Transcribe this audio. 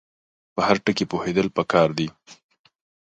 په هر ټکي پوهېدل پکار دي.